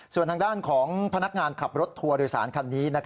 ส่วนทางด้านของพนักงานขับรถทัวร์โดยสารคันนี้